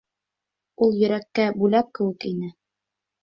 Ул йөрәккә бүләк кеүек ине.